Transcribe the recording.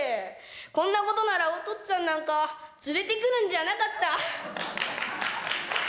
こんなことならおとっつぁんなんか連れてくるんじゃなかった。